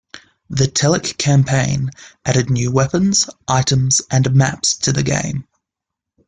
The Telic Campaign added new weapons, items, and maps to the game.